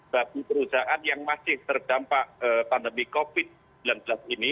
bagi perusahaan yang masih terdampak pandemi covid sembilan belas ini